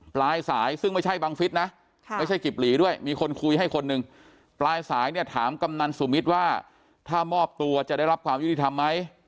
ปลายสายซึ่งไม่ใช่บังฟิศนะไม่ใช่กิบหลีด้วยมีคนคุยให้คนหนึ่งปลายสายเนี่ยถามกำนันสุมิตรว่าถ้ามอบตัวจะได้รับความยุติธรรมไหม